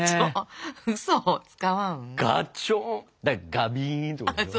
ガビンとかね。